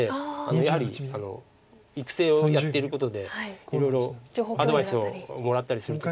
やはり育成をやってることでいろいろアドバイスをもらったりする時に。